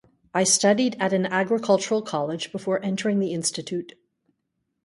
I studied at an agricultural college before entering the institute.